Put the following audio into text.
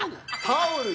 タオル？